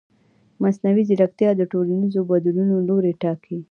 مصنوعي ځیرکتیا د ټولنیزو بدلونونو لوری ټاکي.